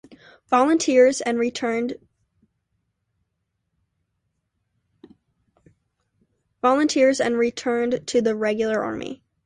Volunteers and returned to the Regular Army.